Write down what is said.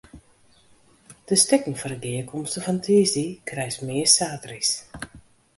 De stikken foar de gearkomste fan tiisdei krijst meast saterdeis.